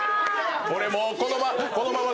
これもうこのまま。